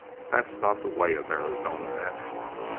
That's not the way of Arizona men....